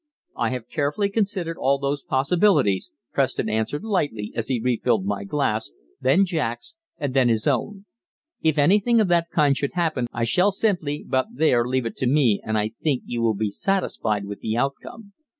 "I have carefully considered all those possibilities," Preston answered lightly as he refilled my glass, then Jack's, and then his own. "If anything of that kind should happen I shall simply but there, leave it to me and I think you will be satisfied with the outcome.